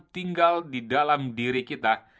tinggal di dalam diri kita